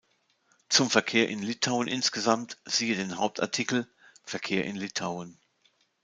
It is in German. Zum Verkehr in Litauen insgesamt siehe den Hauptartikel "Verkehr in Litauen".